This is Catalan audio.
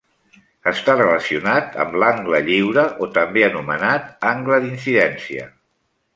Està relacionat amb l'angle lliure o també anomenat angle d'incidència.